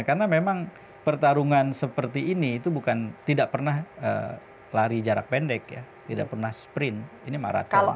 karena memang pertarungan seperti ini itu bukan tidak pernah lari jarak pendek ya tidak pernah sprint ini maraton